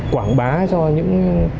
quảng bá cho những